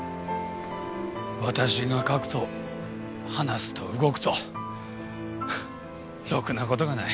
私が書くと話すと動くとろくな事がない。